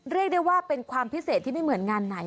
เรียกได้ว่าเป็นความพิเศษที่ไม่เหมือนงานไหน